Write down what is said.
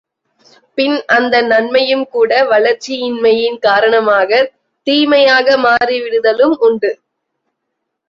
பின் அந்த நன்மையும் கூட வளர்ச்சியின்மையின் காரணமாகத் தீமையாக மாறிவிடுதலும் உண்டு.